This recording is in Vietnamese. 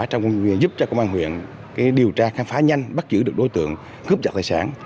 trong giúp cho công an huyện điều tra khám phá nhanh bắt giữ được đối tượng cướp giật tài sản